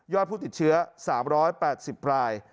ผู้ติดเชื้อ๓๘๐ราย